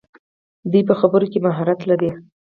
دوی په خبرو کې مهارت لري.